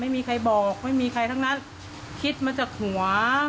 ไม่มีใครบอกไม่มีใครทั้งนั้นคิดมาจากหัว